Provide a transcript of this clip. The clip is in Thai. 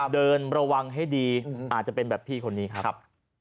เดินระวังให้ดีอาจจะเป็นแบบพี่คนนี้ครับ